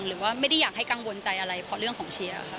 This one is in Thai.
หรือว่าไม่ได้อยากให้กังวลใจอะไรเพราะเรื่องของเชียร์ค่ะ